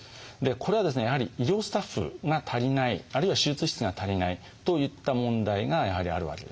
これはですねやはり医療スタッフが足りないあるいは手術室が足りないといった問題がやはりあるわけですね。